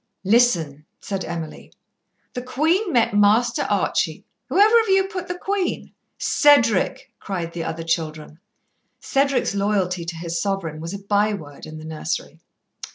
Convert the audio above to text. "Listen!" said Emily. "The Queen met Master Archie whoever of you put the Queen?" "Cedric!" cried the other children. Cedric's loyalty to his Sovereign was a by word in the nursery.